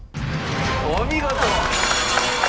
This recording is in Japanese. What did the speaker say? お見事！